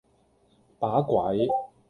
把鬼!